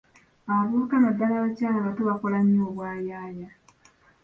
Abavubuka naddala abakyala abato bakola nnyo obwa yaaya.